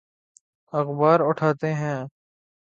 اخبار اٹھاتے ہیں۔